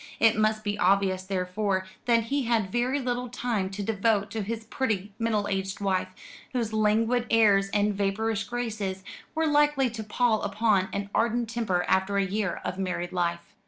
It must be obvious, therefore, that he had very little time to devote to his pretty middle aged wife, whose languid airs and vapourish graces were likely to pall upon an ardent temper after a year of married life.